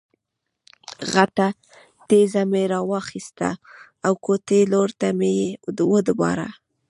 غټه تیږه مې را واخیسته او کوټې لور ته مې یې وډباړه.